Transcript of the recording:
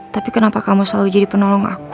tapi kenapa kamu selalu jadi penolongnya eva